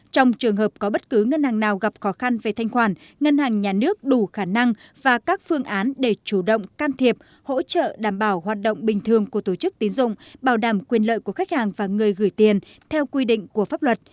trong trường hợp có bất cứ ngân hàng nào gặp khó khăn về thanh khoản ngân hàng nhà nước đủ khả năng và các phương án để chủ động can thiệp hỗ trợ đảm bảo hoạt động bình thường của tổ chức tín dụng bảo đảm quyền lợi của khách hàng và người gửi tiền theo quy định của pháp luật